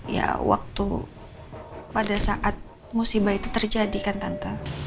ya waktu pada saat musibah itu terjadi kan tante